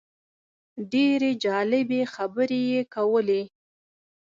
ډېرې جالبې خبرې یې کولې.